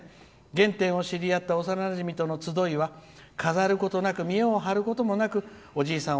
原点を知り合った幼なじみとの集いは、飾ることなく見栄を張ることもなくおじいさん